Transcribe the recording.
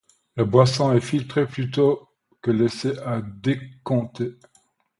La boisson est filtrée plutôt que laissée à décanter.